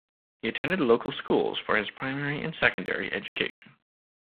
He attended local schools for his primary and secondary education.